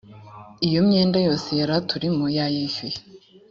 iyo myenda yose yaraturimo yayishyuye